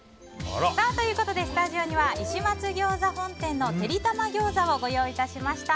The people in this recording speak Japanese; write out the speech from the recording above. スタジオには石松餃子本店のてりたま餃子をご用意致しました。